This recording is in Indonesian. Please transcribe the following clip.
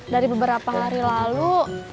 dari beberapa hari lalu